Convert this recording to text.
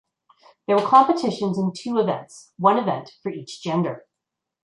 There were competitions in two events (one event for each gender).